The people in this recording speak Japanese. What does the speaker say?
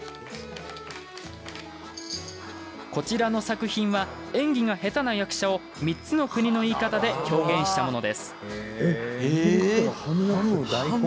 こちらの作品は演技が下手な役者を３つの国の言い方で表現したものです。